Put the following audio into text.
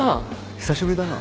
久しぶりだな。